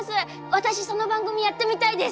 私その番組やってみたいです！